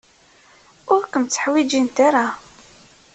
Ur kem-tteḥwijint ara.